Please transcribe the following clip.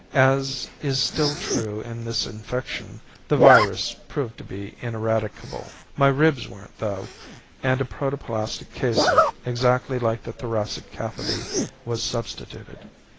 As is still true in this infection, the virus proved to be ineradicable. My ribs weren't, though, and a protoplastic casing, exactly like the thoracic cavity, was substituted.